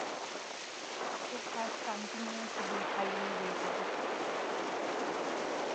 It has continued to be highly rated.